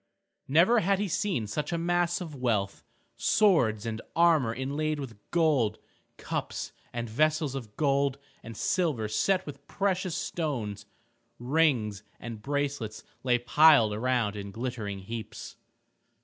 Never had he seen such a mass of wealth. Swords and armor inlaid with gold, cups and vessels of gold and silver set with precious stones, rings and bracelets lay piled around in glittering heaps.